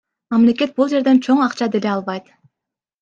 Мамлекет бул жерден чоң акча деле албайт.